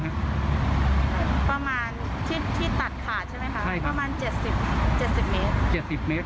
จริงที่นี่เราเข้ามาทำงานครั้งแรก